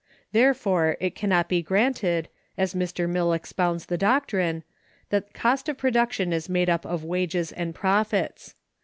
Therefore, it can not be granted, as Mr. Mill expounds the doctrine, that cost of production is made up of wages and profits.